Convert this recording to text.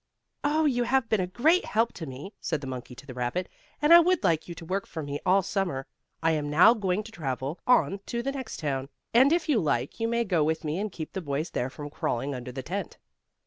"Oh, you have been a great help to me," said the monkey to the rabbit, "and I would like you to work for me all Summer. I am now going to travel on to the next town, and if you like you may go with me and keep the boys there from crawling under the tent."